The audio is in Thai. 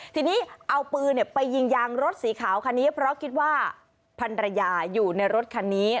ทีนี้เอาปืนไปยิงยางรถสีขาวคันนี้เพราะคิดว่าพันรยาอยู่ในรถคันนี้